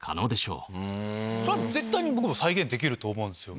絶対に僕も再現できると思うんすよ。